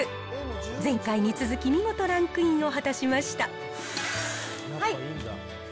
前回に続き見事ランクインを果たはい。